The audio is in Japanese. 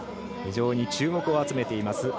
非常に注目を集めています